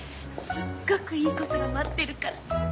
すっごくいいことが待ってるから。